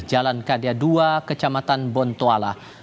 jalan kadia dua kecamatan bonto alamakasar